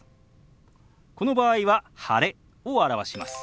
この場合は「晴れ」を表します。